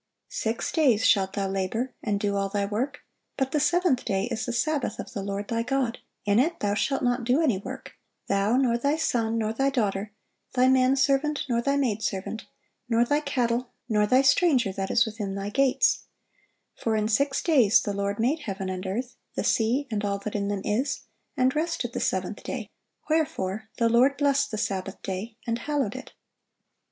Six days shalt thou labor, and do all thy work: but the seventh day is the Sabbath of the Lord thy God: in it thou shalt not do any work, thou, nor thy son, nor thy daughter, thy man servant, nor thy maid servant, nor thy cattle, nor thy stranger that is within thy gates: for in six days the Lord made heaven and earth, the sea, and all that in them is, and rested the seventh day: wherefore the Lord blessed the Sabbath day, and hallowed it."